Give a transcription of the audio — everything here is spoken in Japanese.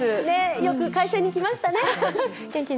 よく会社に来ましたね！